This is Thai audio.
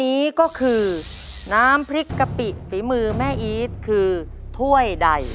นี้ก็คือน้ำพริกกะปิฝีมือแม่อีทคือถ้วยใด